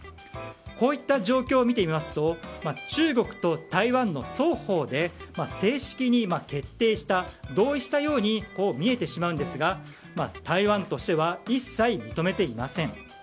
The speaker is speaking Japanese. こういった状況を見てみますと中国と台湾の双方で正式に決定した同意したようにみえてしまうんですが台湾としては一切、認めていません。